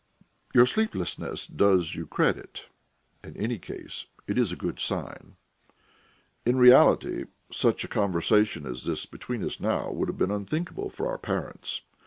Your sleeplessness does you credit; in any case, it is a good sign. In reality, such a conversation as this between us now would have been unthinkable for our parents.